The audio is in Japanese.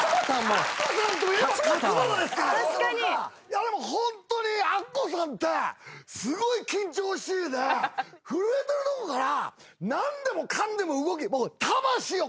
もうホントにアッコさんってすごい緊張しいで震えてるとこから何でもかんでも動き。